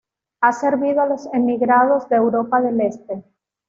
Ha servido a los emigrados de Europa del Este.